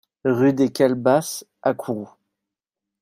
Rue des Calebasses à Kourou